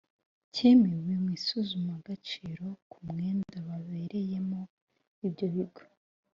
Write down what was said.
cyemewe mu isuzumagaciro k umwenda ba bereyemo ibyo bigo